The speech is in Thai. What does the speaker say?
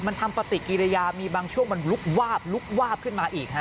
มันทำปฏิกิริยามีบางช่วงมันลุกวาบลุกวาบขึ้นมาอีกฮะ